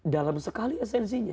dalam sekali esensinya